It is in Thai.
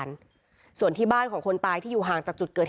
คือตอนที่แม่ไปโรงพักที่นั่งอยู่ที่สพ